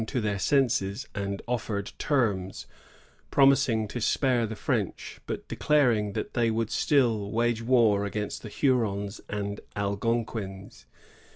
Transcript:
69 to their senses, and offered terms, promising to spare the French, bat declaring that they would still wage war against the Hnrons and Algonquins.